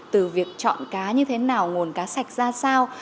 từ việc chọn cá như thế nào nguồn cá sạch ra sao